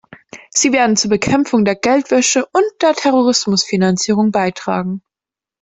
Sie werden zur Bekämpfung der Geldwäsche und der Terrorismusfinanzierung beitragen.